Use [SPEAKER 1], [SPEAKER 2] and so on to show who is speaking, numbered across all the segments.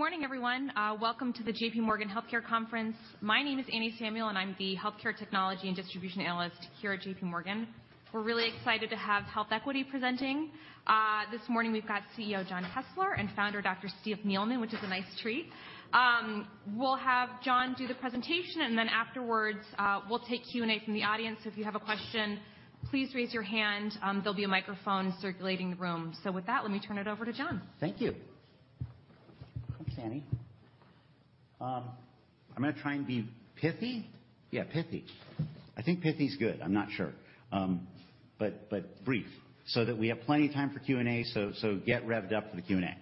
[SPEAKER 1] Good morning, everyone. Welcome to the JPMorgan Healthcare Conference. My name is Anne Samuel, and I'm the healthcare technology and distribution analyst here at JPMorgan. We're really excited to have HealthEquity presenting. This morning we've got CEO Jon Kessler, and founder, Dr. Steve Neeleman, which is a nice treat. We'll have Jon do the presentation, and then afterwards, we'll take Q&A from the audience. If you have a question, please raise your hand. There'll be a microphone circulating the room. With that, let me turn it over to Jon.
[SPEAKER 2] Thank you. Thanks, Anne Samuel. I'm gonna try and be pithy. Yeah, pithy. I think pithy is good. I'm not sure. But brief, so that we have plenty of time for Q&A. Get revved up for the Q&A.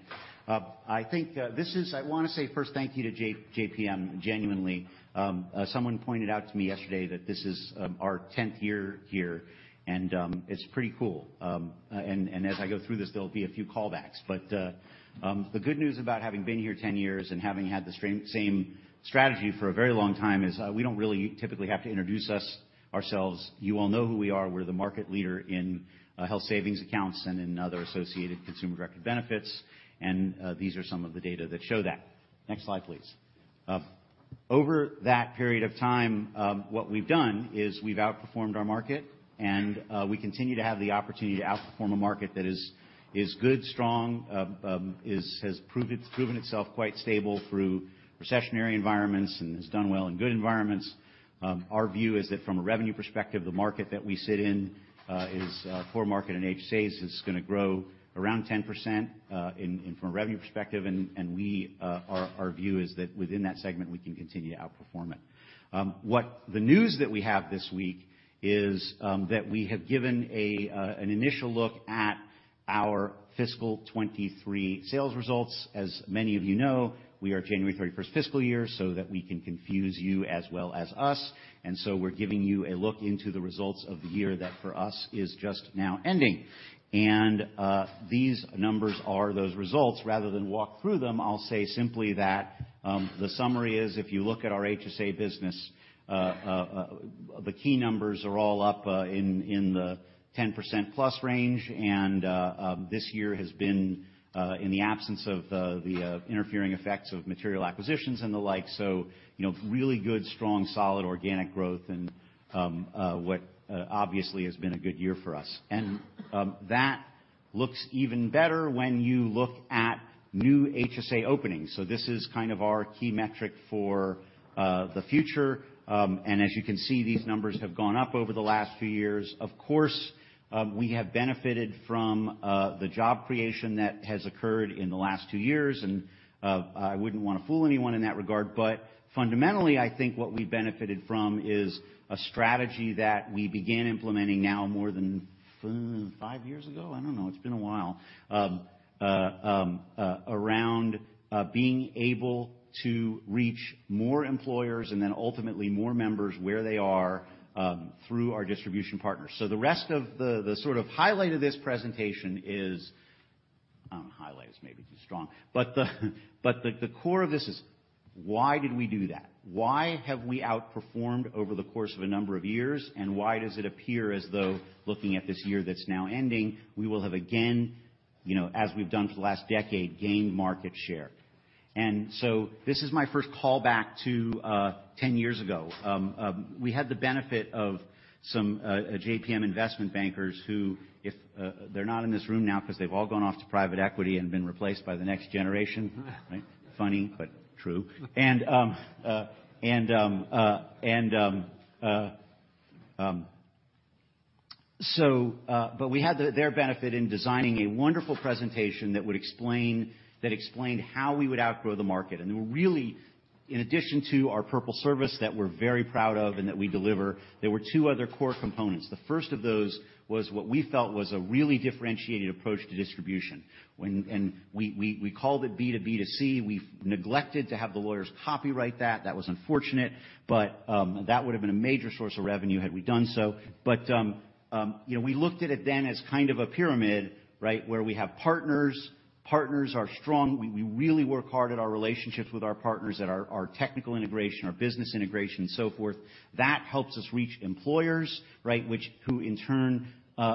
[SPEAKER 2] I think, this is I wanna say first thank you to JPMorgan, genuinely. Someone pointed out to me yesterday that this is, our tenth year here, and it's pretty cool. As I go through this, there'll be a few callbacks. The good news about having been here 10 years and having had the same strategy for a very long time is, we don't really typically have to introduce ourselves. You all know who we are. We're the market leader in Health Savings Accounts and in other associated consumer-directed benefits, and these are some of the data that show that. Next slide, please. Over that period of time, what we've done is we've outperformed our market, and we continue to have the opportunity to outperform a market that is good, strong, proven itself quite stable through recessionary environments and has done well in good environments. Our view is that from a revenue perspective, the market that we sit in is a core market and HSA is gonna grow around 10% in, from a revenue perspective. Our, our view is that within that segment, we can continue to outperform it. What the news that we have this week is that we have given an initial look at our fiscal 2023 sales results. As many of you know, we are January 31st fiscal year, so that we can confuse you as well as us. We're giving you a look into the results of the year that for us is just now ending. These numbers are those results. Rather than walk through them, I'll say simply that the summary is if you look at our HSA business, the key numbers are all up in the 10%+ range. This year has been in the absence of the interfering effects of material acquisitions and the like, so, you know, really good, strong, solid organic growth and what obviously has been a good year for us. That looks even better when you look at new HSA openings. This is kind of our key metric for the future. As you can see, these numbers have gone up over the last few years. Of course, we have benefited from the job creation that has occurred in the last two years, and I wouldn't wanna fool anyone in that regard. Fundamentally, I think what we benefited from is a strategy that we began implementing now more than five years ago, I don't know, it's been a while, around being able to reach more employers and then ultimately more members where they are through our distribution partners. The rest of the sort of highlight of this presentation is. Highlight is maybe too strong. The core of this is why did we do that? Why have we outperformed over the course of a number of years? Why does it appear as though looking at this year that's now ending, we will have again, you know, as we've done for the last decade, gained market share? This is my first callback to 10 years ago. We had the benefit of some JPMorgan investment bankers who if they're not in this room now 'cause they've all gone off to private equity and been replaced by the next generation. Right? Funny, but true. But we had their benefit in designing a wonderful presentation that explained how we would outgrow the market. Really, in addition to our purple service that we're very proud of and that we deliver, there were two other core components. The first of those was what we felt was a really differentiated approach to distribution. We called it B2B2C. We've neglected to have the lawyers copyright that. That was unfortunate, but that would have been a major source of revenue had we done so. You know, we looked at it then as kind of a pyramid, right, where we have partners. Partners are strong. We really work hard at our relationships with our partners at our technical integration, our business integration, and so forth. That helps us reach employers, right, which who in turn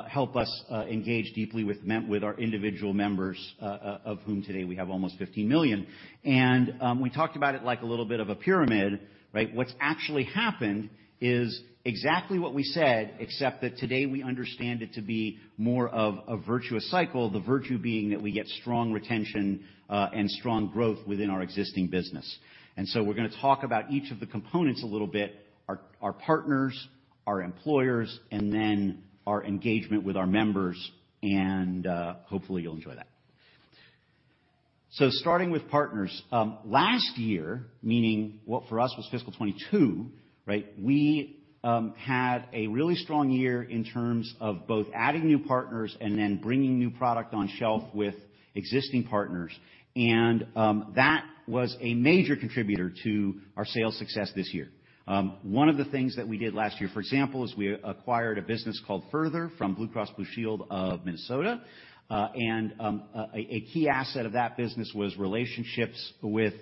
[SPEAKER 2] help us engage deeply with our individual members, of whom today we have almost 15 million. We talked about it like a little bit of a pyramid, right? What's actually happened is exactly what we said, except that today we understand it to be more of a virtuous cycle, the virtue being that we get strong retention and strong growth within our existing business. we're gonna talk about each of the components a little bit, our partners, our employers, and then our engagement with our members, hopefully you'll enjoy that. Starting with partners. Last year, meaning what for us was fiscal 2022, right? We had a really strong year in terms of both adding new partners and then bringing new product on shelf with existing partners. That was a major contributor to our sales success this year. One of the things that we did last year, for example, is we acquired a business called Further from Blue Cross and Blue Shield of Minnesota. A key asset of that business was relationships with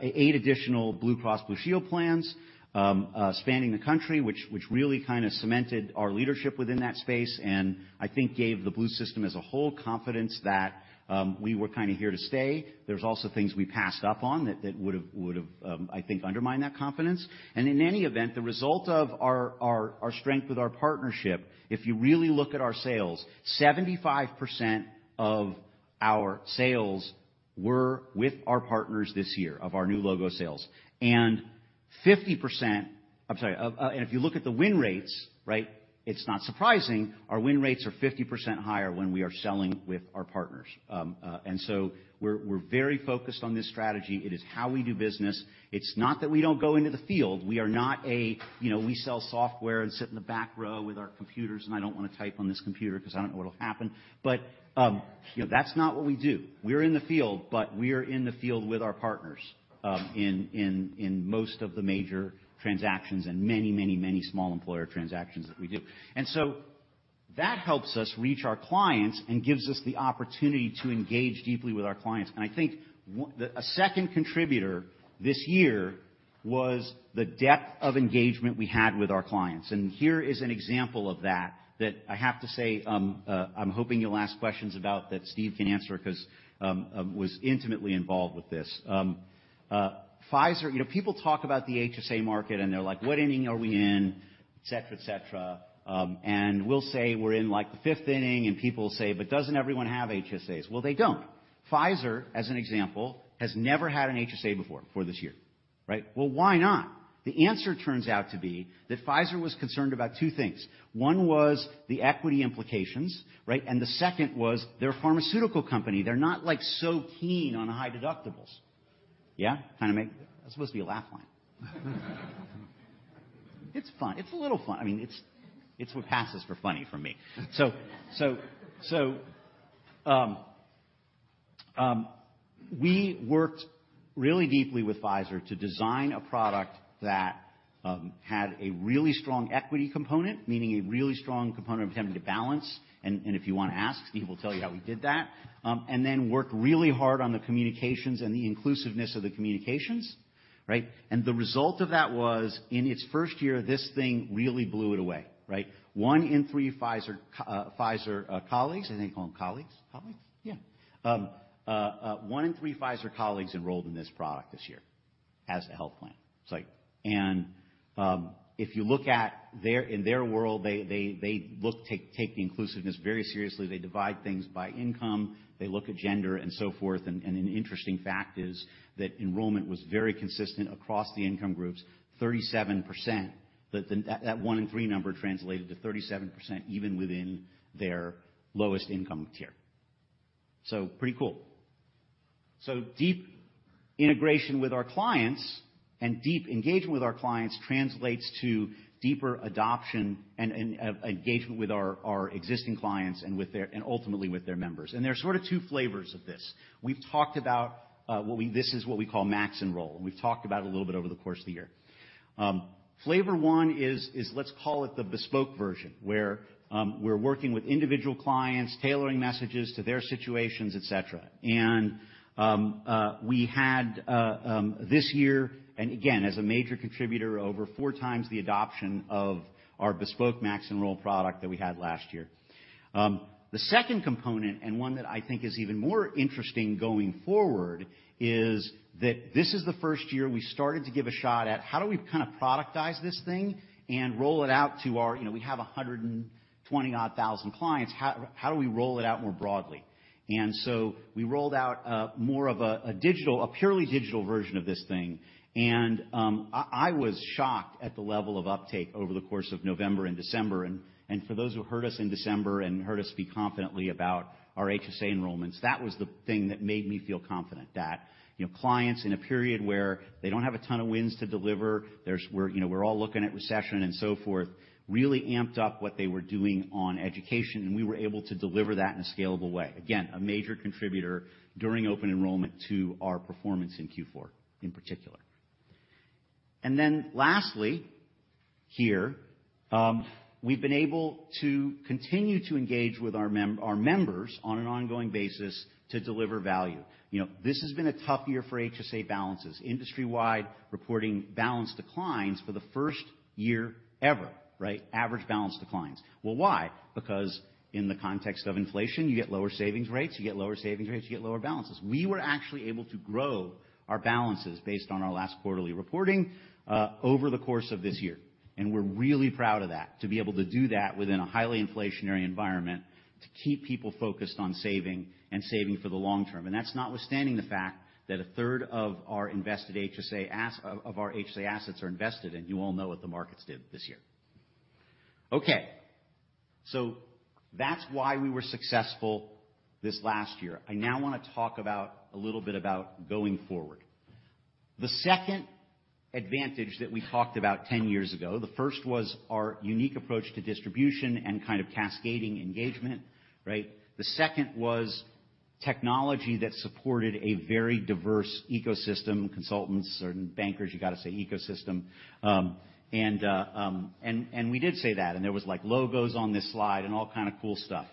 [SPEAKER 2] eight additional Blue Cross Blue Shield plans spanning the country, which really kinda cemented our leadership within that space, and I think gave the Blue system as a whole confidence that we were kinda here to stay. There's also things we passed up on that would've, I think undermined that confidence. In any event, the result of our strength with our partnership, if you really look at our sales, 75% of our sales were with our partners this year of our new logo sales. I'm sorry. If you look at the win rates, right? It's not surprising our win rates are 50% higher when we are selling with our partners. So we're very focused on this strategy. It is how we do business. It's not that we don't go into the field. We are not a, you know, we sell software and sit in the back row with our computers, and I don't wanna type on this computer 'cause I don't know what'll happen. You know, that's not what we do. We're in the field, but we are in the field with our partners, in most of the major transactions and many small employer transactions that we do. So that helps us reach our clients and gives us the opportunity to engage deeply with our clients. I think a second contributor this year was the depth of engagement we had with our clients. Here is an example of that I have to say, I'm hoping you'll ask questions about that Steve can answer because was intimately involved with this. Pfizer, you know, people talk about the HSA market, and they're like, "What inning are we in?" Et cetera, et cetera. We'll say, "We're in, like, the fifth inning." People will say, "Doesn't everyone have HSAs?" Well, they don't. Pfizer, as an example, has never had an HSA before this year, right? Well, why not? The answer turns out to be that Pfizer was concerned about two things. One was the equity implications, right? The second was they're a pharmaceutical company. They're not, like, so keen on high deductibles. Yeah? That's supposed to be a laugh line. It's fun. It's a little fun. I mean, it's what passes for funny from me. We worked really deeply with Pfizer to design a product that had a really strong equity component, meaning a really strong component of having to balance. If you wanna ask, Steve will tell you how we did that. Then worked really hard on the communications and the inclusiveness of the communications, right? The result of that was, in its first year, this thing really blew it away, right? One in three Pfizer colleagues. I think I call them colleagues. Colleagues? Yeah. One in three Pfizer colleagues enrolled in this product this year as a health plan. It's like. If you look at in their world, they take inclusiveness very seriously. They divide things by income. They look at gender and so forth. An interesting fact is that enrollment was very consistent across the income groups, 37%. That one in three number translated to 37%, even within their lowest income tier. Pretty cool. Deep integration with our clients and deep engagement with our clients translates to deeper adoption and engagement with our existing clients and ultimately with their members. There are sort of two flavors of this. We've talked about, this is what we call MaxEnroll, and we've talked about a little bit over the course of the year. Flavor 1 is, let's call it the bespoke version, where we're working with individual clients, tailoring messages to their situations, et cetera. We had this year and again, as a major contributor over 4x the adoption of our bespoke MaxEnroll product that we had last year. The second component, and one that I think is even more interesting going forward, is that this is the first year we started to give a shot at how do we kind of productize this thing and roll it out to our, you know, we have 120 odd thousand clients. How do we roll it out more broadly? We rolled out more of a purely digital version of this thing. I was shocked at the level of uptake over the course of November and December. For those who heard us in December and heard us speak confidently about our HSA enrollments, that was the thing that made me feel confident that, you know, clients in a period where they don't have a ton of wins to deliver. We're, you know, we're all looking at recession and so forth, really amped up what they were doing on education, and we were able to deliver that in a scalable way. Again, a major contributor during open enrollment to our performance in Q4 in particular. Lastly here, we've been able to continue to engage with our members on an ongoing basis to deliver value. You know, this has been a tough year for HSA balances. Industry-wide reporting balance declines for the first year ever, right? Average balance declines. Well, why? In the context of inflation, you get lower savings rates, you get lower balances. We were actually able to grow our balances based on our last quarterly reporting over the course of this year. We're really proud of that, to be able to do that within a highly inflationary environment, to keep people focused on saving and saving for the long term. That's notwithstanding the fact that a third of our invested HSA assets are invested, and you all know what the markets did this year. That's why we were successful this last year. I now wanna talk about a little bit about going forward. The second advantage that we talked about 10 years ago, the first was our unique approach to distribution and kind of cascading engagement, right? The second was technology that supported a very diverse ecosystem. Consultants or bankers, you gotta say ecosystem. We did say that. There was like logos on this slide and all kind of cool stuff.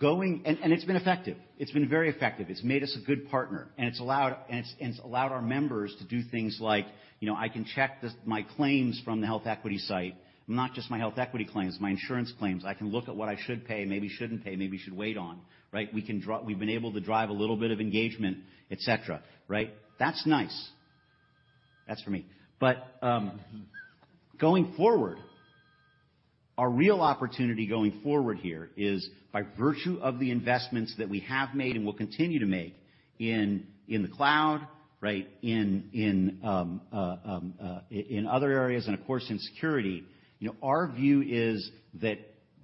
[SPEAKER 2] It's been effective. It's been very effective. It's made us a good partner, and it's allowed our members to do things like, you know, I can check this, my claims from the HealthEquity site, not just my HealthEquity claims, my insurance claims. I can look at what I should pay, maybe shouldn't pay, maybe should wait on, right? We've been able to drive a little bit of engagement, et cetera, right? That's nice. That's for me. Our real opportunity going forward here is by virtue of the investments that we have made and will continue to make in the cloud, right, in other areas and of course in security. You know, our view is that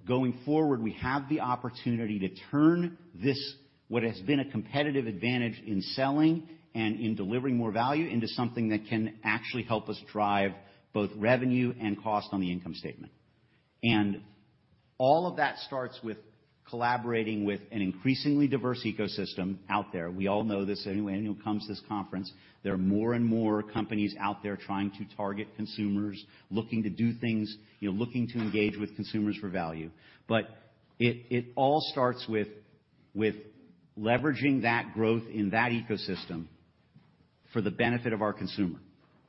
[SPEAKER 2] going forward, we have the opportunity to turn this, what has been a competitive advantage in selling and in delivering more value into something that can actually help us drive both revenue and cost on the income statement. All of that starts with collaborating with an increasingly diverse ecosystem out there. We all know this. Anyone who comes to this conference, there are more and more companies out there trying to target consumers, looking to do things, you know, looking to engage with consumers for value. It all starts with leveraging that growth in that ecosystem for the benefit of our consumer,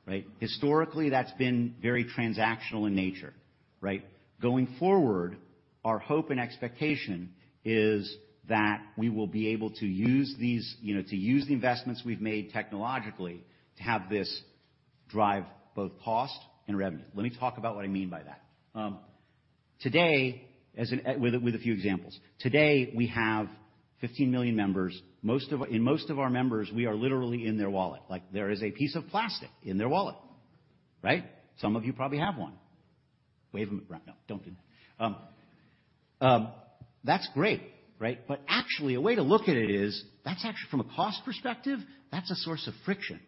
[SPEAKER 2] right? Historically, that's been very transactional in nature, right? Going forward, our hope and expectation is that we will be able to use these, you know, to use the investments we've made technologically to have this drive both cost and revenue. Let me talk about what I mean by that. Today, with a few examples. Today, we have 15 million members. In most of our members, we are literally in their wallet, like there is a piece of plastic in their wallet, right? Some of you probably have one. Wave them around. No, don't do that. That's great, right? Actually, a way to look at it is, that's actually from a cost perspective, that's a source of friction,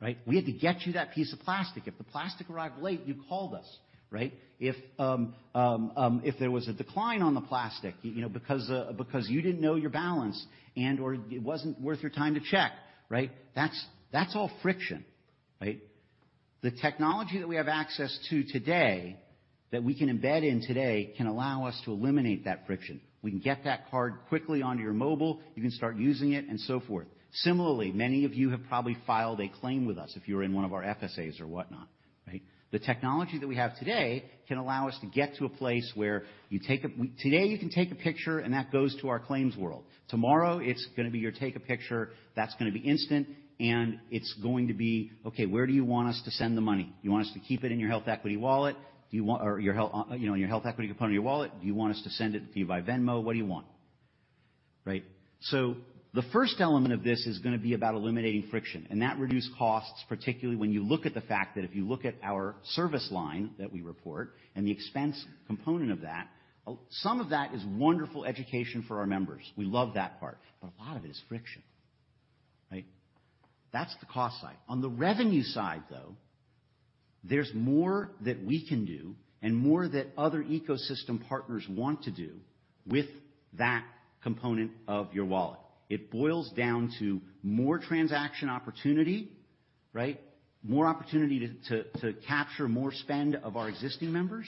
[SPEAKER 2] right? We had to get you that piece of plastic. If the plastic arrived late, you called us, right? If there was a decline on the plastic, you know, because you didn't know your balance and, or it wasn't worth your time to check, right? That's all friction, right? The technology that we have access to today, that we can embed in today can allow us to eliminate that friction. We can get that card quickly onto your mobile. You can start using it, and so forth. Similarly, many of you have probably filed a claim with us if you were in one of our FSAs or whatnot, right? The technology that we have today can allow us to get to a place where Today, you can take a picture, and that goes to our claims world. Tomorrow, it's gonna be your take a picture that's gonna be instant, and it's going to be, okay, where do you want us to send the money? You want us to keep it in your HealthEquity wallet? Or your health, you know, in your HealthEquity component of your wallet. Do you want us to send it to you by Venmo? What do you want? Right? The first element of this is gonna be about eliminating friction, and that reduce costs, particularly when you look at the fact that if you look at our service line that we report and the expense component of that, some of that is wonderful education for our members. We love that part, but a lot of it is friction, right? That's the cost side. On the revenue side, though, there's more that we can do and more that other ecosystem partners want to do with that component of your wallet. It boils down to more transaction opportunity, right? More opportunity to capture more spend of our existing members,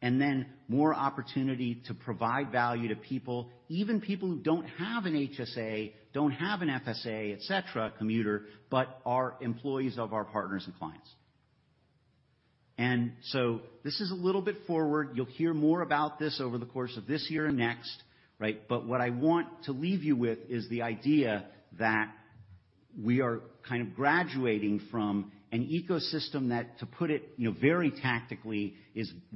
[SPEAKER 2] and then more opportunity to provide value to people, even people who don't have an HSA, don't have an FSA, et cetera, commuter, but are employees of our partners and clients. This is a little bit forward. You'll hear more about this over the course of this year and next, right? What I want to leave you with is the idea that we are kind of graduating from an ecosystem that, to put it, you know, very tactically,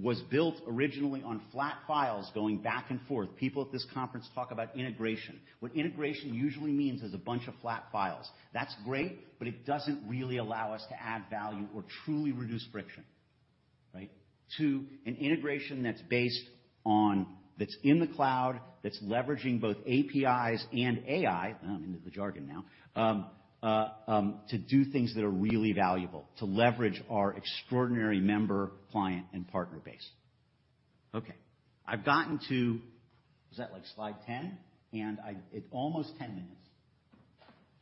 [SPEAKER 2] was built originally on flat files going back and forth. People at this conference talk about integration. What integration usually means is a bunch of flat files. That's great, it doesn't really allow us to add value or truly reduce friction, right? To an integration that's in the cloud, that's leveraging both APIs and AI, now I'm into the jargon now, to do things that are really valuable, to leverage our extraordinary member, client, and partner base. Okay. Is that like slide 10? It's almost 10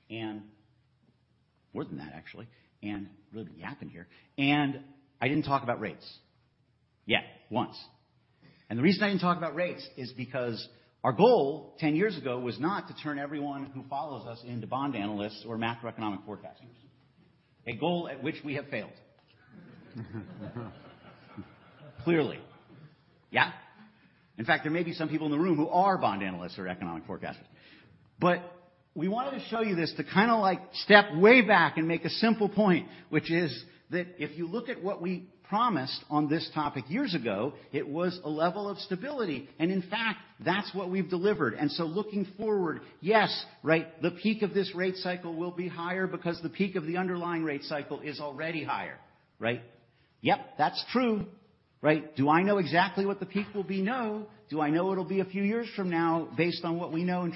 [SPEAKER 2] minutes. More than that, actually. Really yapping here. I didn't talk about rates yet, once. The reason I didn't talk about rates is because our goal 10 years ago was not to turn everyone who follows us into bond analysts or macroeconomic forecasters. A goal at which we have failed. Clearly. Yeah. In fact, there may be some people in the room who are bond analysts or economic forecasters. We wanted to show you this to kind of like step way back and make a simple point, which is that if you look at what we promised on this topic years ago, it was a level of stability, and in fact, that's what we've delivered. Looking forward, yes, right, the peak of this rate cycle will be higher because the peak of the underlying rate cycle is already higher, right? Yep, that's true, right? Do I know exactly what the peak will be? No. Do I know it'll be a few years from now based on what we know in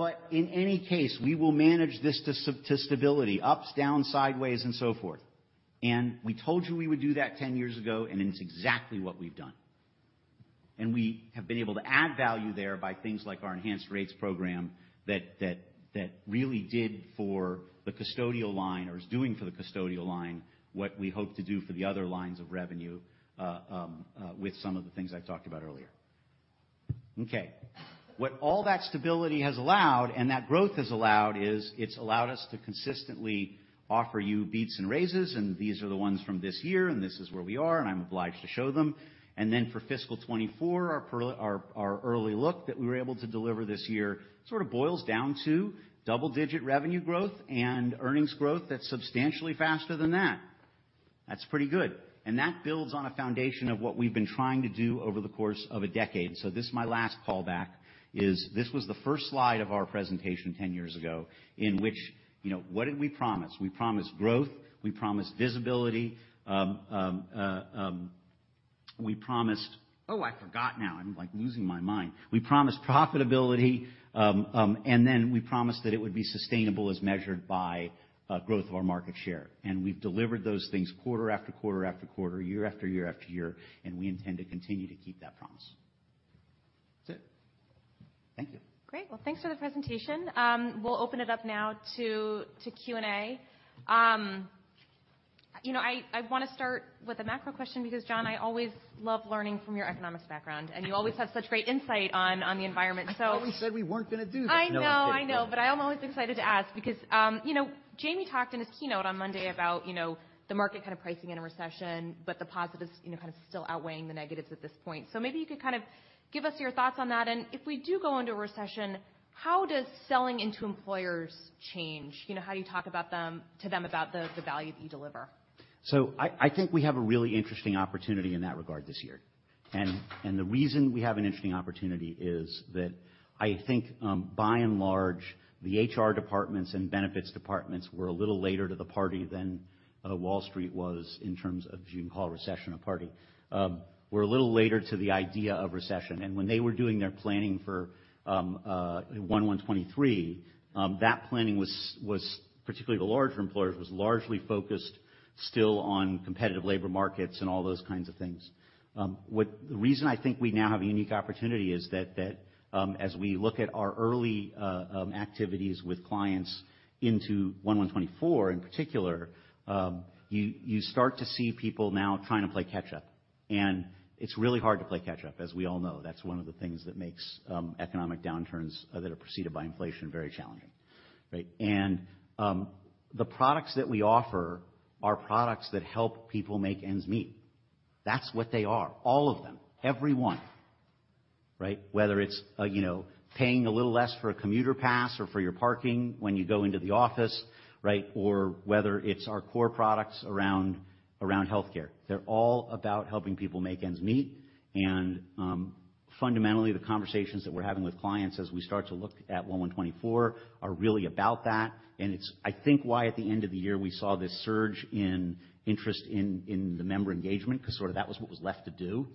[SPEAKER 2] terms of our yields? Yes, right? In any case, we will manage this to stability, ups, down, sideways, and so forth. We told you we would do that 10 years ago, and it's exactly what we've done. We have been able to add value there by things like our Enhanced Rates program that really did for the custodial line or is doing for the custodial line, what we hope to do for the other lines of revenue, with some of the things I've talked about earlier. Okay. What all that stability has allowed and that growth has allowed is it's allowed us to consistently offer you beats and raises, and these are the ones from this year, and this is where we are, and I'm obliged to show them. Then for fiscal 2024, our per... Our early look that we were able to deliver this year sort of boils down to double-digit revenue growth and earnings growth that's substantially faster than that. That's pretty good. That builds on a foundation of what we've been trying to do over the course of a decade. This is my last callback, is this was the first slide of our presentation 10 years ago, in which, you know, what did we promise? We promised growth, we promised visibility, we promised... Oh, I forgot now. I'm, like, losing my mind. We promised profitability, and then we promised that it would be sustainable as measured by growth of our market share. We've delivered those things quarter after quarter after quarter, year after year after year, and we intend to continue to keep that promise. That's it. Thank you.
[SPEAKER 1] Great. Well, thanks for the presentation. We'll open it up now to Q&A. You know, I wanna start with a macro question because, Jon, I always love learning from your economics background, and you always have such great insight on the environment, so...
[SPEAKER 2] I thought we said we weren't gonna do this.
[SPEAKER 1] I know. I know.
[SPEAKER 2] No, let's do it.
[SPEAKER 1] I'm always excited to ask because, you know, Jamie talked in his keynote on Monday about, you know, the market kind of pricing in a recession, but the positives, you know, kind of still outweighing the negatives at this point. Maybe you could kind of give us your thoughts on that. If we do go into a recession, how does selling into employers change? You know, how do you talk to them about the value that you deliver?
[SPEAKER 2] I think we have a really interesting opportunity in that regard this year. The reason we have an interesting opportunity is that I think, by and large, the HR departments and benefits departments were a little later to the party than Wall Street was in terms of if you can call a recession a party. We're a little later to the idea of recession. When they were doing their planning for 1/1/2023, that planning was particularly the larger employers, was largely focused still on competitive labor markets and all those kinds of things. The reason I think we now have a unique opportunity is that as we look at our early activities with clients into 2024, in particular, you start to see people now trying to play catch up, and it's really hard to play catch up, as we all know. That's one of the things that makes economic downturns that are preceded by inflation very challenging, right? The products that we offer are products that help people make ends meet. That's what they are, all of them, every one, right? Whether it's, you know, paying a little less for a commuter pass or for your parking when you go into the office, right? Or whether it's our core products around healthcare. They're all about helping people make ends meet. Fundamentally, the conversations that we're having with clients as we start to look at 1/1/2024 are really about that. It's, I think why at the end of the year, we saw this surge in interest in the member engagement 'cause sort of that was what was left to do.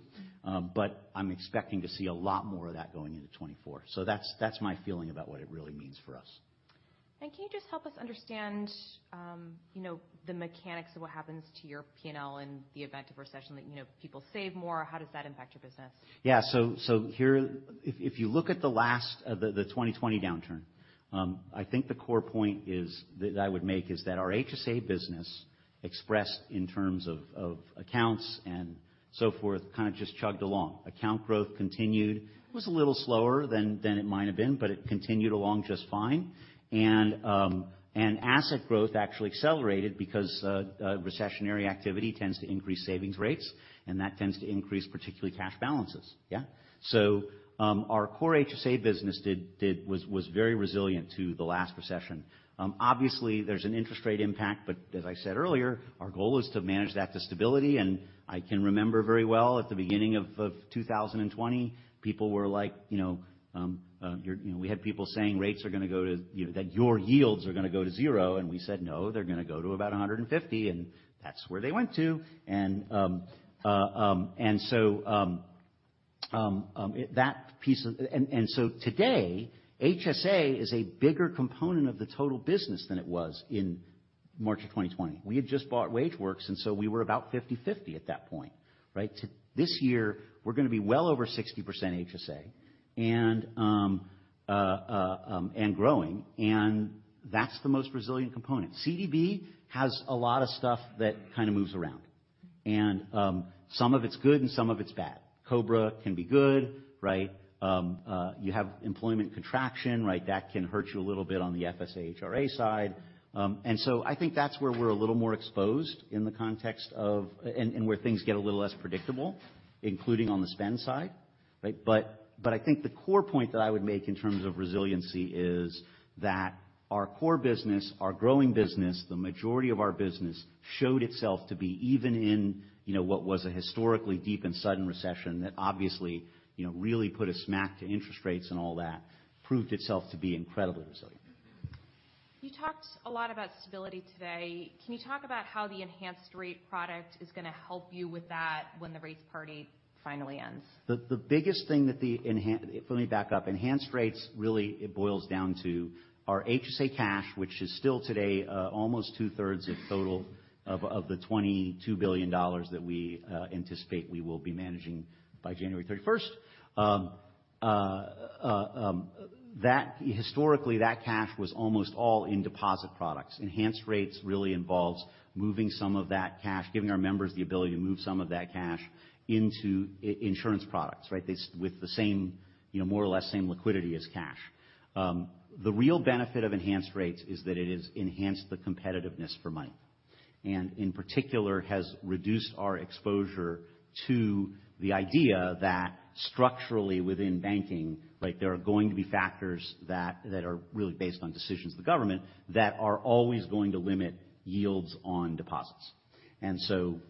[SPEAKER 2] I'm expecting to see a lot more of that going into 2024. That's, that's my feeling about what it really means for us.
[SPEAKER 1] Can you just help us understand, you know, the mechanics of what happens to your P&L in the event of a recession that, you know, people save more? How does that impact your business?
[SPEAKER 2] Here if you look at the 2020 downturn, I think the core point is that I would make is that our HSA business expressed in terms of accounts and so forth, kind of just chugged along. Account growth continued. It was a little slower than it might have been, but it continued along just fine. Asset growth actually accelerated because recessionary activity tends to increase savings rates, and that tends to increase particularly cash balances. Our core HSA business was very resilient to the last recession. Obviously, there's an interest rate impact, but as I said earlier, our goal is to manage that to stability. I can remember very well at the beginning of 2020, people were like, you know, you know. We had people saying rates are gonna go to, you know, that your yields are gonna go to zero. We said, "No, they're gonna go to about 150," and that's where they went to. So that piece. So today, HSA is a bigger component of the total business than it was in March of 2020. We had just bought WageWorks, and so we were about 50/50 at that point, right. To this year, we're gonna be well over 60% HSA and growing, and that's the most resilient component. CDB has a lot of stuff that kind of moves around.
[SPEAKER 1] Mm-hmm.
[SPEAKER 2] Some of it's good and some of it's bad. COBRA can be good, right? You have employment contraction, right? That can hurt you a little bit on the FSA HRA side. So I think that's where we're a little more exposed in the context of where things get a little less predictable, including on the spend side, right? But I think the core point that I would make in terms of resiliency is that our core business, our growing business, the majority of our business showed itself to be even in, you know, what was a historically deep and sudden recession that obviously, you know, really put a smack to interest rates and all that, proved itself to be incredibly resilient.
[SPEAKER 1] You talked a lot about stability today. Can you talk about how the Enhanced Rates product is gonna help you with that when the rate party finally ends?
[SPEAKER 2] Enhanced Rates really it boils down to our HSA cash, which is still today, almost two-thirds of total of the $22 billion that we anticipate we will be managing by January 31st. Historically, that cash was almost all in deposit products. Enhanced Rates really involves moving some of that cash, giving our members the ability to move some of that cash into insurance products, right? With the same, you know, more or less same liquidity as cash. The real benefit of Enhanced Rates is that it has enhanced the competitiveness for money, and in particular, has reduced our exposure to the idea that structurally within banking, like, there are going to be factors that are really based on decisions of the government that are always going to limit yields on deposits.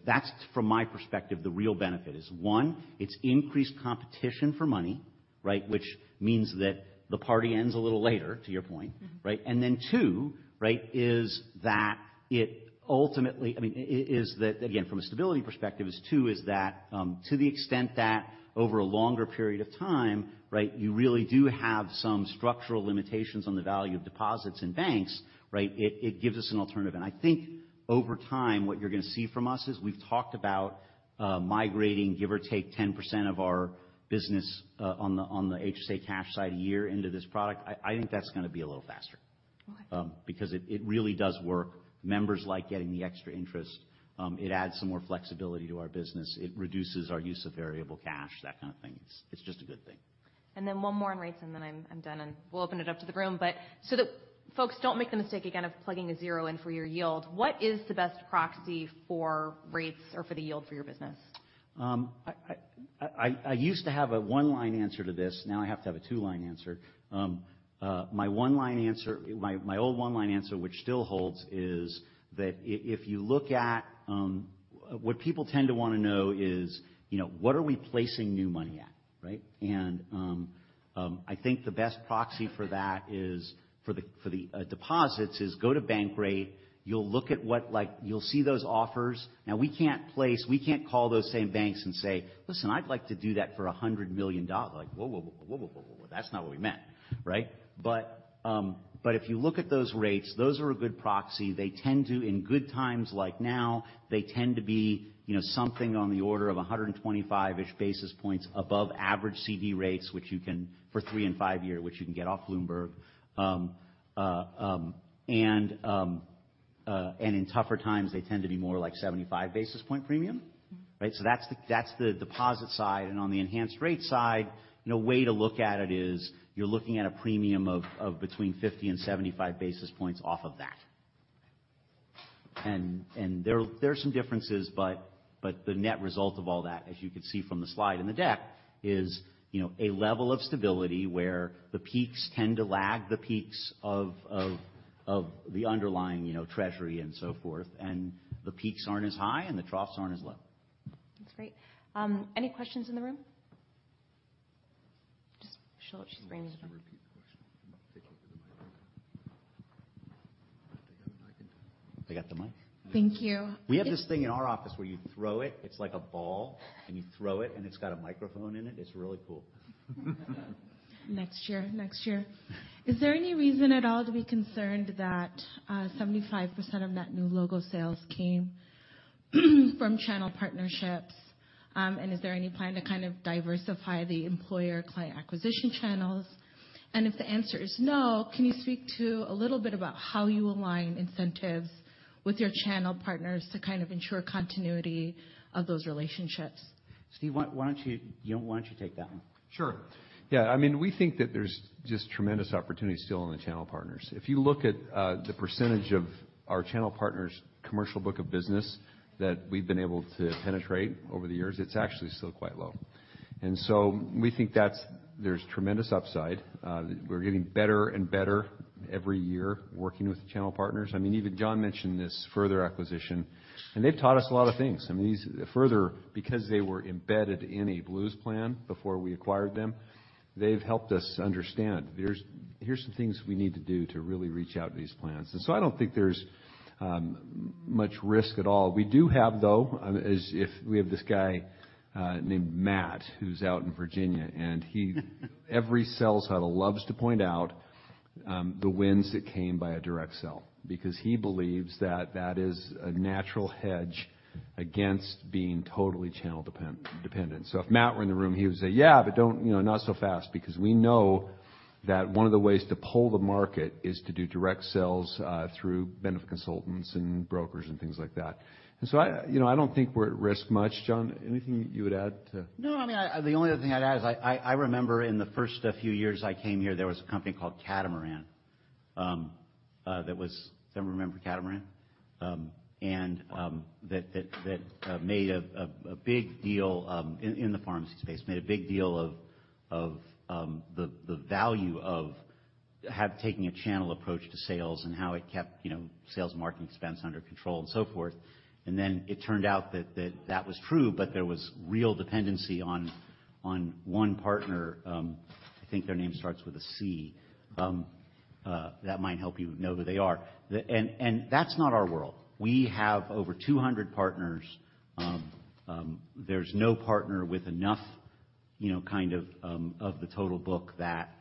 [SPEAKER 2] That's from my perspective, the real benefit is one, it's increased competition for money, right? Which means that the party ends a little later, to your point.
[SPEAKER 1] Mm-hmm.
[SPEAKER 2] Right? Then two, right, is that it ultimately, I mean, is that again, from a stability perspective is two, is that, to the extent that over a longer period of time, right, you really do have some structural limitations on the value of deposits in banks, right? It gives us an alternative. I think over time, what you're gonna see from us is we've talked about, migrating give or take 10% of our business, on the HSA cash side a year into this product. I think that's gonna be a little faster.
[SPEAKER 1] Okay.
[SPEAKER 2] It really does work. Members like getting the extra interest, it adds some more flexibility to our business. It reduces our use of variable cash, that kind of thing. It's just a good thing.
[SPEAKER 1] Then one more on rates, and then I'm done, and we'll open it up to the room. That folks don't make the mistake again of plugging a zero in for your yield, what is the best proxy for rates or for the yield for your business?
[SPEAKER 2] I used to have a one-line answer to this. Now, I have to have a two-line answer. My old one-line answer, which still holds, is that if you look at what people tend to wanna know is, you know, what are we placing new money at, right? I think the best proxy for that is for the deposits is go to Bankrate. You'll look at what, like, you'll see those offers. Now we can't place, we can't call those same banks and say, "Listen, I'd like to do that for $100 million." Like, whoa, whoa. That's not what we meant, right? But if you look at those rates, those are a good proxy. They tend to in good times like now, they tend to be something on the order of 125-ish basis points above average CD rates, which you can for three and five years, which you can get off Bloomberg. In tougher times, they tend to be more like 75 basis point premium.
[SPEAKER 1] Mm-hmm.
[SPEAKER 2] Right? That's the deposit side. On the Enhanced Rates side, you know, way to look at it is you're looking at a premium of between 50 and 75 basis points off of that. There are some differences, but the net result of all that, as you can see from the slide in the deck, is, you know, a level of stability where the peaks tend to lag the peaks of the underlying, you know, Treasury and so forth. The peaks aren't as high and the troughs aren't as low.
[SPEAKER 1] That's great. Any questions in the room? Just show it. She's bringing it up.
[SPEAKER 2] They got the mic.
[SPEAKER 3] Thank you.
[SPEAKER 2] We have this thing in our office where you throw it's like a ball, and you throw it, and it's got a microphone in it. It's really cool.
[SPEAKER 3] Next year. Is there any reason at all to be concerned that 75% of net new logo sales came from channel partnerships? Is there any plan to kind of diversify the employer client acquisition channels? If the answer is no, can you speak to a little bit about how you align incentives with your channel partners to kind of ensure continuity of those relationships?
[SPEAKER 2] Steve, you know, why don't you take that one?
[SPEAKER 4] Sure. Yeah. I mean, we think that there's just tremendous opportunity still in the channel partners. If you look at the percentage of our channel partners' commercial book of business that we've been able to penetrate over the years, it's actually still quite low. We think there's tremendous upside. We're getting better and better every year working with the channel partners. I mean, even Jon mentioned this Further acquisition, they've taught us a lot of things. I mean, Further, because they were embedded in a Blues plan before we acquired them, they've helped us understand here's some things we need to do to really reach out to these plans. I don't think there's much risk at all. We do have, though, as if we have this guy, named Matt who's out in Virginia, and every sales huddle loves to point out, the wins that came via direct sell because he believes that that is a natural hedge against being totally channel dependent. If Matt were in the room, he would say, "Yeah, but don't, you know, not so fast," because we know that one of the ways to pull the market is to do direct sales through benefit consultants and brokers and things like that. I, you know, I don't think we're at risk much. Jon, anything you would add to?
[SPEAKER 2] No. I mean, the only other thing I'd add is I remember in the first few years I came here, there was a company called Catamaran, that was. Does everyone remember Catamaran? And that made a big deal in the pharmacy space. Made a big deal of the value of have taking a channel approach to sales and how it kept, you know, sales marketing expense under control and so forth. It turned out that was true, but there was real dependency on one partner, I think their name starts with a C. That might help you know who they are. That's not our world. We have over 200 partners. There's no partner with enough, you know, kind of the total book that,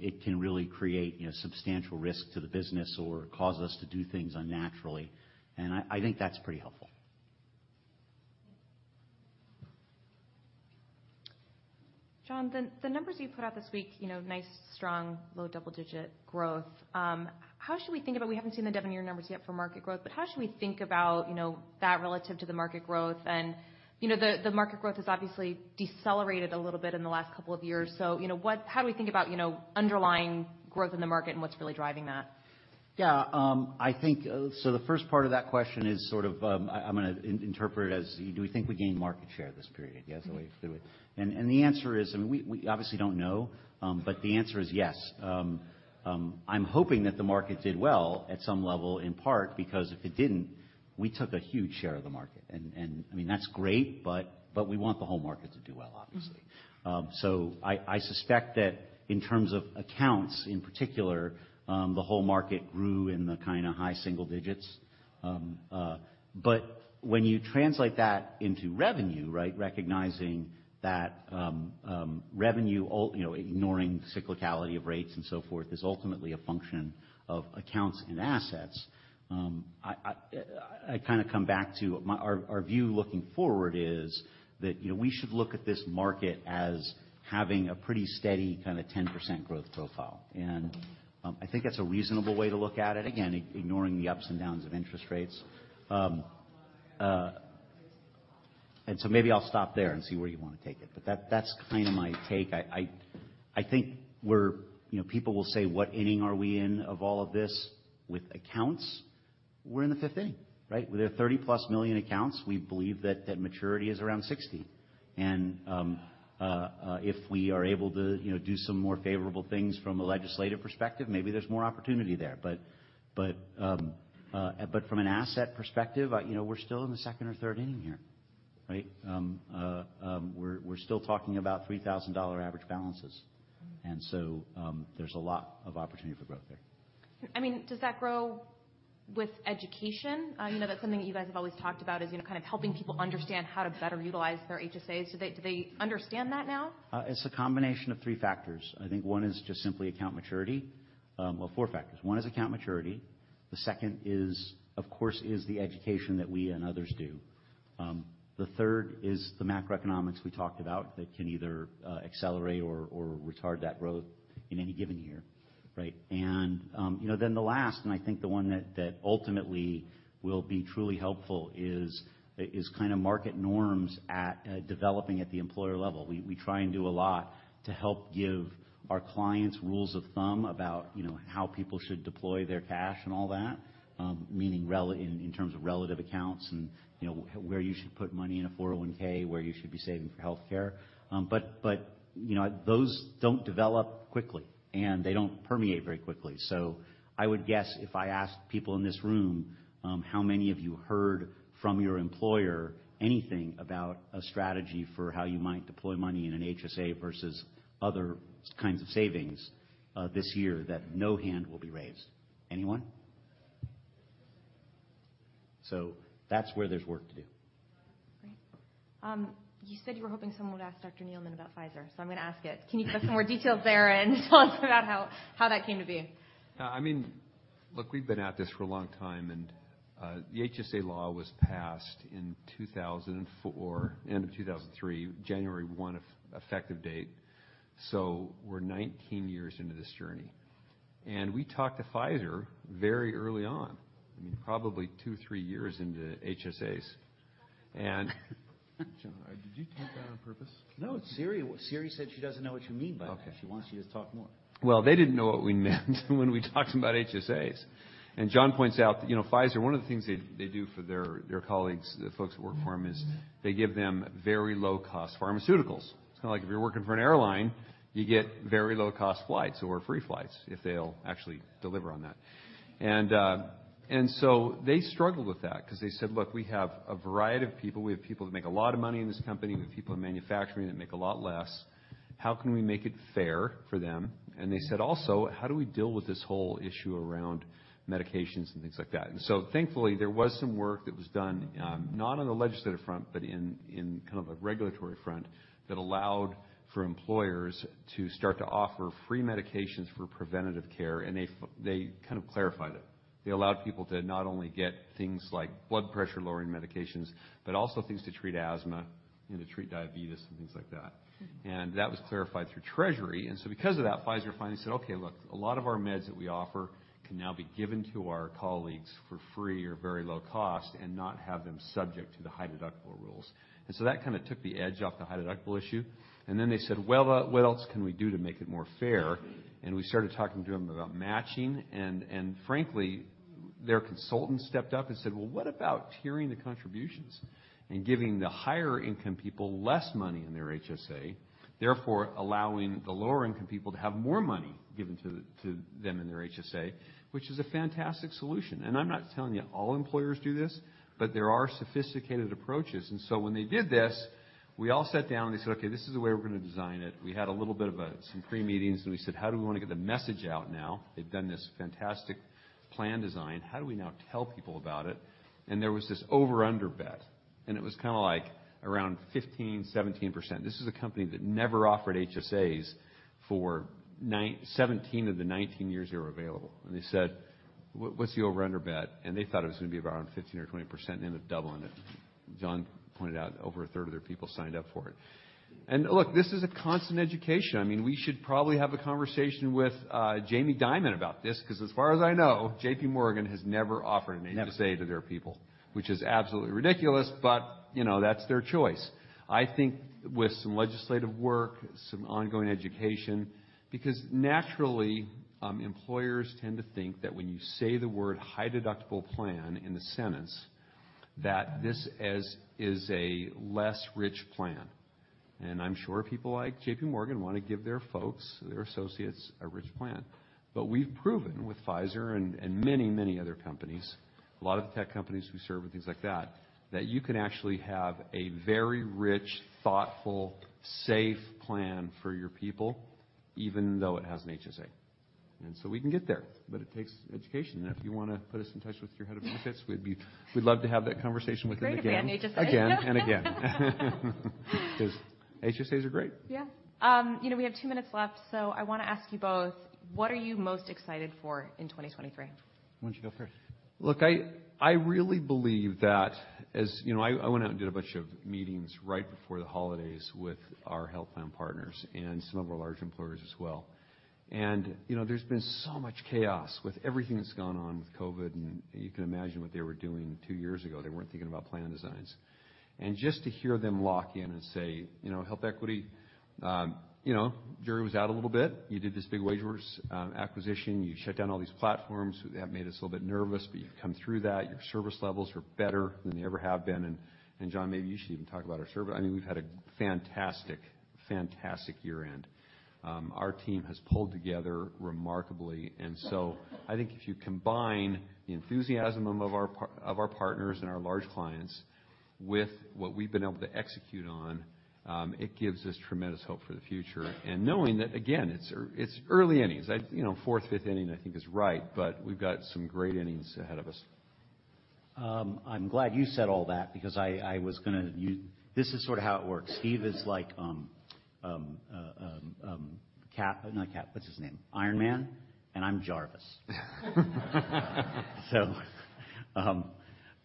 [SPEAKER 2] it can really create, you know, substantial risk to the business or cause us to do things unnaturally. I think that's pretty helpful.
[SPEAKER 1] Jon, the numbers you put out this week, you know, nice, strong, low double-digit growth. How should we think about... We haven't seen the full-year numbers yet for market growth, but how should we think about, you know, that relative to the market growth and, you know, the market growth has obviously decelerated a little bit in the last couple of years. How do we think about, you know, underlying growth in the market and what's really driving that?
[SPEAKER 2] Yeah. I think the first part of that question is sort of, I'm gonna interpret it as do we think we gained market share this period? Yes, or we. The answer is, I mean, we obviously don't know, but the answer is yes. I'm hoping that the market did well at some level, in part, because if it didn't, we took a huge share of the market. I mean, that's great, but we want the whole market to do well, obviously.
[SPEAKER 1] Mm-hmm.
[SPEAKER 2] I suspect that in terms of accounts, in particular, the whole market grew in the kinda high single digits. When you translate that into revenue, right? Recognizing that, you know, ignoring the cyclicality of rates and so forth, is ultimately a function of accounts and assets. I kinda come back to Our view looking forward is that, you know, we should look at this market as having a pretty steady kinda 10% growth profile. I think that's a reasonable way to look at it. Again, ignoring the ups and downs of interest rates. Maybe I'll stop there and see where you wanna take it. That's kinda my take. I think we're... You know, people will say, "What inning are we in of all of this?" With accounts, we're in the fifth inning, right? With our 30 million+ accounts, we believe that maturity is around 60. If we are able to, you know, do some more favorable things from a legislative perspective, maybe there's more opportunity there. From an asset perspective, You know, we're still in the second or third inning here, right? We're still talking about $3,000 average balances.
[SPEAKER 1] Mm-hmm.
[SPEAKER 2] There's a lot of opportunity for growth there.
[SPEAKER 1] I mean, does that grow with education? You know, that's something that you guys have always talked about is, you know, kind of helping people understand how to better utilize their HSAs. Do they understand that now?
[SPEAKER 2] It's a combination of three factors. I think one is just simply account maturity. Well, four factors. One is account maturity. The second is, of course, is the education that we and others do. The third is the macroeconomics we talked about that can either accelerate or retard that growth in any given year, right? you know, then the last, and I think the one that ultimately will be truly helpful, is kinda market norms at developing at the employer level. We try and do a lot to help give our clients rules of thumb about, you know, how people should deploy their cash and all that, meaning in terms of relative accounts and, you know, where you should put money in a 401(k), where you should be saving for healthcare. You know, those don't develop quickly, and they don't permeate very quickly. I would guess if I asked people in this room, how many of you heard from your employer anything about a strategy for how you might deploy money in an HSA versus other kinds of savings, this year, that no hand will be raised. Anyone? That's where there's work to do.
[SPEAKER 1] Great. You said you were hoping someone would ask Dr. Neeleman about Pfizer. I'm gonna ask it. Can you give us some more details there and tell us about how that came to be?
[SPEAKER 4] I mean, look, we've been at this for a long time, and the HSA law was passed in 2004, end of 2003, January 1 effective date. So we're 19 years into this journey. We talked to Pfizer very early on, I mean, probably two, three years into HSAs. Jon, did you time that on purpose?
[SPEAKER 2] No, Siri said she doesn't know what you mean by that.
[SPEAKER 4] Okay.
[SPEAKER 2] She wants you to talk more.
[SPEAKER 4] Well, they didn't know what we meant when we talked about HSAs. Jon points out that, you know, Pfizer, one of the things they do for their colleagues, the folks who work for them, is they give them very low-cost pharmaceuticals. It's kind of like if you're working for an airline, you get very low-cost flights or free flights, if they'll actually deliver on that. They struggled with that because they said, "Look, we have a variety of people. We have people that make a lot of money in this company. We have people in manufacturing that make a lot less. How can we make it fair for them?" They said also, "How do we deal with this whole issue around medications and things like that?" Thankfully, there was some work that was done, not on the legislative front, but in kind of a regulatory front, that allowed for employers to start to offer free medications for preventative care, and they kind of clarified it. They allowed people to not only get things like blood pressure-lowering medications, but also things to treat asthma and to treat diabetes and things like that.
[SPEAKER 1] Mm-hmm.
[SPEAKER 4] That was clarified through Treasury. Because of that, Pfizer finally said, "Okay, look, a lot of our meds that we offer can now be given to our colleagues for free or very low cost and not have them subject to the high deductible rules." That kind of took the edge off the high deductible issue. They said, "Well, what else can we do to make it more fair?" We started talking to them about matching, and frankly, their consultants stepped up and said, "Well, what about tiering the contributions and giving the higher income people less money in their HSA, therefore allowing the lower income people to have more money given to them in their HSA?" Which is a fantastic solution. I'm not telling you all employers do this, but there are sophisticated approaches. When they did this, we all sat down, and they said, "Okay, this is the way we're gonna design it." We had some pre-meetings, and we said, "How do we wanna get the message out now?" They've done this fantastic plan design. How do we now tell people about it? There was this over/under bet, and it was kinda like around 15%, 17%. This is a company that never offered HSAs for 17 of the 19 years they were available. They said, "What's the over/under bet?" They thought it was gonna be around 15% or 20% and ended up doubling it. Jon pointed out over a third of their people signed up for it. Look, this is a constant education. I mean, we should probably have a conversation with, Jamie Dimon about this, 'cause as far as I know, JPMorgan has never offered an HSA-
[SPEAKER 2] Never....
[SPEAKER 4] to their people, which is absolutely ridiculous, but, you know, that's their choice. I think with some legislative work, some ongoing education, because naturally, employers tend to think that when you say the word high deductible plan in a sentence, that this is a less rich plan. I'm sure people like JPMorgan wanna give their folks, their associates a rich plan. We've proven with Pfizer and many, many other companies, a lot of the tech companies we serve and things like that you can actually have a very rich, thoughtful, safe plan for your people, even though it has an HSA. We can get there, but it takes education. If you wanna put us in touch with your head of benefits, we'd love to have that conversation with him again.
[SPEAKER 1] Great fan of HSAs.
[SPEAKER 4] Again, and again. 'Cause HSAs are great.
[SPEAKER 1] Yeah. You know, we have two minutes left, so I wanna ask you both, what are you most excited for in 2023?
[SPEAKER 2] Why don't you go first?
[SPEAKER 4] Look, I really believe that. You know, I went out and did a bunch of meetings right before the holidays with our health plan partners and some of our large employers as well. You know, there's been so much chaos with everything that's gone on with COVID, and you can imagine what they were doing two years ago. They weren't thinking about plan designs. Just to hear them lock in and say, you know, HealthEquity, you know, jury was out a little bit. You did this big WageWorks acquisition. You shut down all these platforms. That made us a little bit nervous, but you've come through that. Your service levels are better than they ever have been. Jon, maybe you should even talk about our service. I mean, we've had a fantastic year-end. Our team has pulled together remarkably. I think if you combine the enthusiasm of our partners and our large clients with what we've been able to execute on, it gives us tremendous hope for the future. Knowing that, again, it's early innings. I, you know, fourth, fifth inning I think is right, but we've got some great innings ahead of us.
[SPEAKER 2] I'm glad you said all that because I was gonna. This is sorta how it works. Steve is like, Not Cap. What's his name? Iron Man, and I'm Jarvis.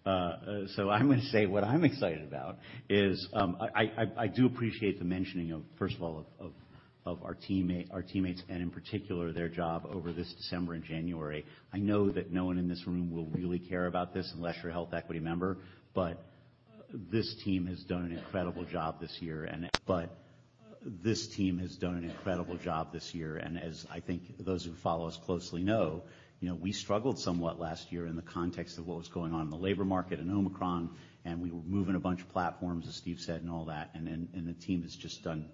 [SPEAKER 2] I'm gonna say what I'm excited about is I do appreciate the mentioning of, first of all, of our teammate, our teammates, and in particular, their job over this December and January. I know that no one in this room will really care about this unless you're a HealthEquity member, this team has done an incredible job this year and... This team has done an incredible job this year, and as I think those who follow us closely know, you know, we struggled somewhat last year in the context of what was going on in the labor market and Omicron, and we were moving a bunch of platforms, as Steve said, and all that, and the team has just done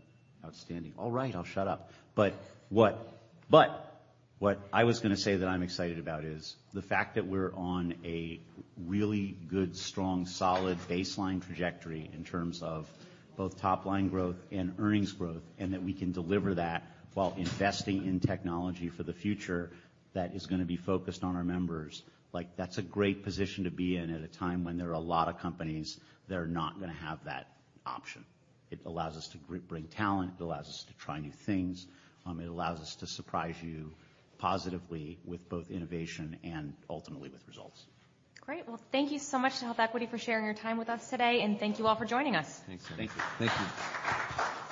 [SPEAKER 2] outstanding. All right, I'll shut up. What I was gonna say that I'm excited about is the fact that we're on a really good, strong, solid baseline trajectory in terms of both top-line growth and earnings growth, and that we can deliver that while investing in technology for the future that is gonna be focused on our members. Like, that's a great position to be in at a time when there are a lot of companies that are not gonna have that option. It allows us to bring talent, it allows us to try new things, it allows us to surprise you positively with both innovation and ultimately with results.
[SPEAKER 1] Great. Well, thank you so much to HealthEquity for sharing your time with us today, and thank you all for joining us.
[SPEAKER 4] Thanks.
[SPEAKER 2] Thank you.